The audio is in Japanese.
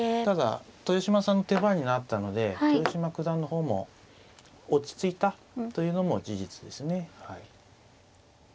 ただ豊島さんの手番になったので豊島九段の方も落ち着いたというのも事実ですね。